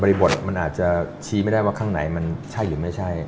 ริบทมันอาจจะชี้ไม่ได้ว่าข้างในมันใช่หรือไม่ใช่